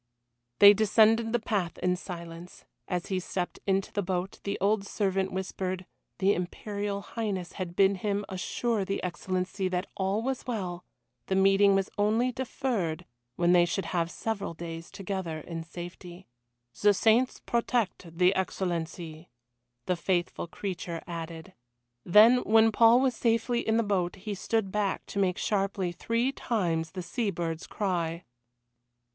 They descended the path in silence, and as he stepped into the boat the old servant whispered, the Imperial Highness had bid him assure the Excellency that all was well, the meeting was only deferred, when they should have several days together in safety. "The saints protect the Excellency," the faithful creature added. Then, when Paul was safely in the boat, he stood back to make sharply three times the sea bird's cry.